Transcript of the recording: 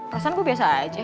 perasaan gue biasa aja